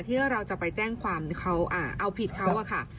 ที่เราจะไปแจ้งความเขาเอาผิดเขาอะค่ะ